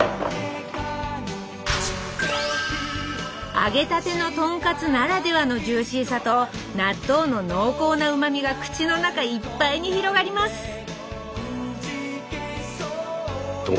揚げたてのとんかつならではのジューシーさと納豆の濃厚なうまみが口の中いっぱいに広がりますえ